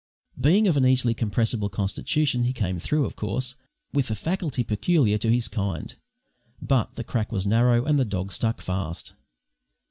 Being of an easily compressible constitution he came through, of course, with the facility peculiar to his kind, but the crack was narrow and the dog stuck fast.